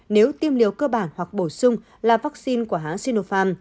nếu tiêm liều cơ bản hoặc bổ sung là vaccine của hãng sinopharm